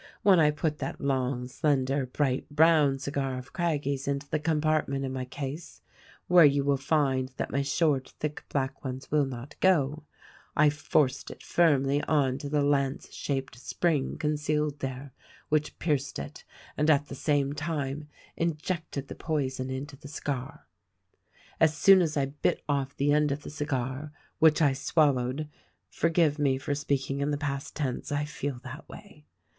When T put that long, slender, bright brown cigar of Craggie's into the compart THE RECORDING ANGEL 251 ment in my case — where you will find that my short, thick, black ones will not go — I forced it firmly on to the lance shaped spring concealed there which pierced it and at the same time injected the poison into the cigar. As soon as I bit off the end of the cigar, — which I swallowed (forgive me for speaking in the past tense, I feel that way!)